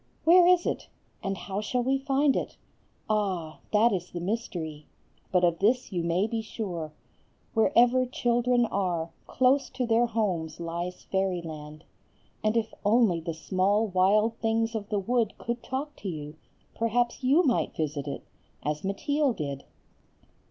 Where is it? and how shall we find it? Ah, that is the mystery; but of this you may be sure,—wherever children are, close to their homes lies Fairyland; and if only the small wild things of the wood could talk to you, perhaps you might visit it, as Mateel did.